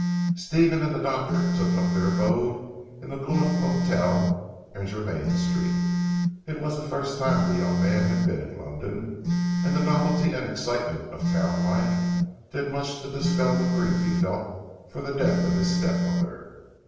Stephen and the doctor took up their abode in the Guelph Hotel in Jermyn Street. It was the first time the young man had been in London, and the novelty and excitement of town life, did much to dispel the grief he felt for the death of his step mother.